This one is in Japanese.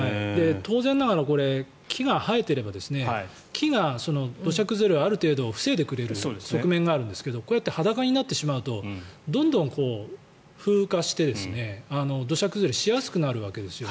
当然ながら、これ木が生えていれば木が土砂崩れをある程度防いでくれる側面があるんですけどこうやって裸になってしまうとどんどん風化してしまって土砂崩れしやすくなるわけです。